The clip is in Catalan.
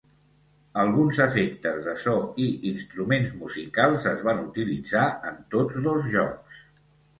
Alguns efectes de so i instruments musicals es van utilitzar en tots dos jocs.